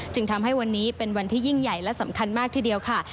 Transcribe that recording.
จึงทำให้วันนี้เป็นวันที่ยิ่งใหญ่และสำคัญมากทีเดียวค่ะ